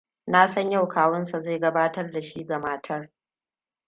Na san yau kawunsa zai gabatar da shi ga matar.